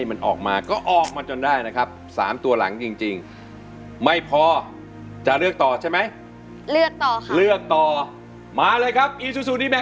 คุณแม่ทำไมถึงเชียร์ให้เป็นหมายเลข๔ค่ะคุณแม่